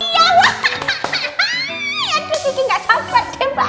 iya wah kahaaii aduh kiki nggak sabar deh mbak